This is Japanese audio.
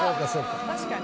確かに。